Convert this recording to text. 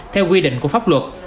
theo quy định của pháp luật